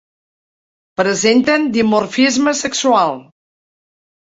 Presenten dimorfisme sexual.